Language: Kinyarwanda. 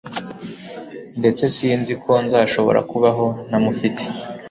ndetse sinzi ko nzashobora kubaho ntamufite